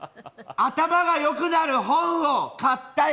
頭が良くなる本を買ったよ。